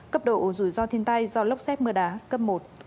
cấp độ rủi ro thiên tai do lốc xét mưa đá cấp một